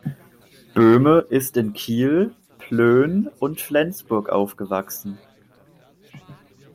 Böhme ist in Kiel, Plön und Flensburg aufgewachsen.